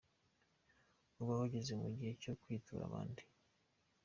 Ubu bageze mu gihe cyo kwitura abandi.